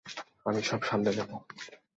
আমি সব সামলে নেব।